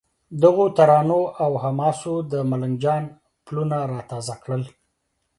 دغو ترانو او حماسو د ملنګ جان پلونه را تازه کړل.